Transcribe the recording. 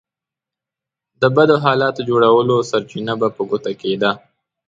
د بدو حالاتو جوړولو سرچينه به په ګوته کېده.